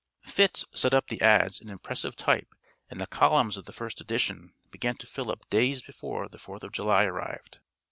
"Fitz" set up the "ads" in impressive type and the columns of the first edition began to fill up days before the Fourth of July arrived.